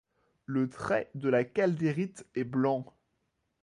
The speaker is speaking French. Le trait de la caldérite est blanc.